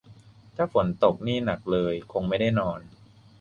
ถ้าฝนตกนี่หนักเลยคงไม่ได้นอน